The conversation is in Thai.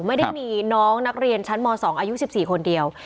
ไม่ได้มีน้องนักเรียนชั้นม๒อายุ๑๔คนเดียว